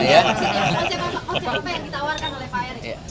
apa yang ditawarkan oleh pak erick